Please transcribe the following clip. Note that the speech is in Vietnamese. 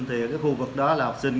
thì khu vực đó là học sinh